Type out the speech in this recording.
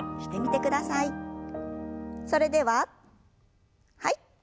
それでははい。